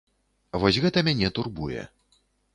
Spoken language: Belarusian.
Вось гэта мяне турбуе.